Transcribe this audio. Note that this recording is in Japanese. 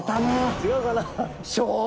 違うかな？